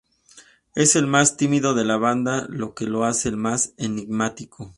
Es el más tímido de la banda lo que lo hace el más enigmático.